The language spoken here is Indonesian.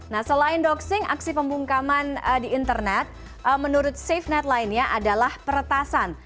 nah selain doxing aksi pembungkaman di internet menurut safenet lainnya adalah peretasan